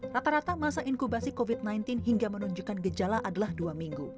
rata rata masa inkubasi covid sembilan belas hingga menunjukkan gejala adalah dua minggu